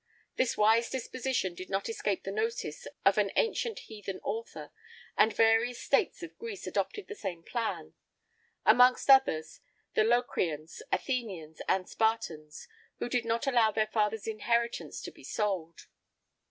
[I 10] This wise disposition did not escape the notice of an ancient heathen author,[I 11] and various states of Greece adopted the same plan; amongst others, the Locrians, Athenians, and Spartans, who did not allow their fathers' inheritance to be sold.